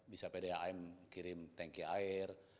bisa pdam kirim tanki air